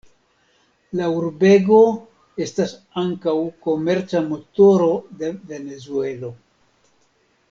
La urbego estas ankaŭ komerca motoro de Venezuelo.